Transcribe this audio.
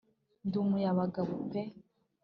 ndi mu y'abagabo pe